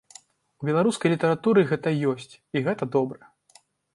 У беларускай літаратуры гэта ёсць, і гэта добра.